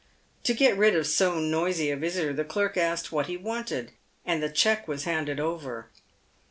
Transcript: To get rid of so noisy a visitor, the clerk asked what he wanted, and the cheque was handed over.